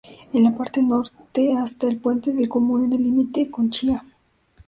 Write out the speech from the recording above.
En la parte norte hasta el Puente del Común en el límite con Chía.